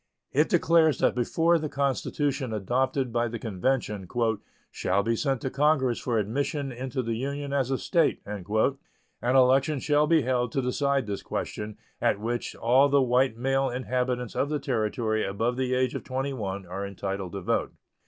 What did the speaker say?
It declares that before the constitution adopted by the convention "shall be sent to Congress for admission into the Union as a State" an election shall be held to decide this question, at which all the white male inhabitants of the Territory above the age of 21 are entitled to vote.